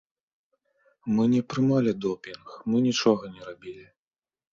Мы не прымалі допінг, мы нічога не рабілі.